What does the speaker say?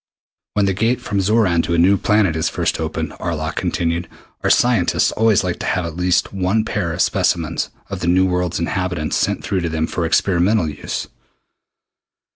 "When the Gate from Xoran to a new planet is first opened," Arlok continued, "our scientists always like to have at least one pair of specimens of the new world's inhabitants sent through to them for experimental use.